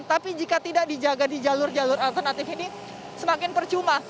tapi jika tidak dijaga di jalur jalur alternatif ini semakin percuma